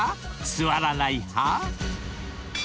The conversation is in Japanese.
座らない派？］